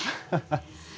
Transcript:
ハッハハ。